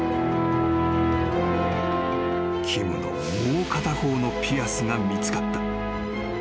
［キムのもう片方のピアスが見つかった］